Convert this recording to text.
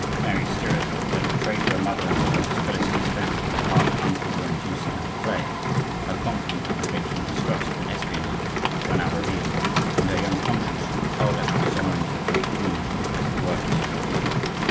Mary Stuart had betrayed to her mother in law, in its fullest extent, the part her uncles were inducing her to play; her constant and habitual distrust and espionage were now revealed, and her young conscience told her how dishonoring to a great queen was the work that she was doing.